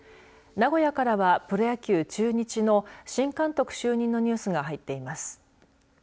名古屋からはプロ野球中日の新監督就任のニュースが入っています。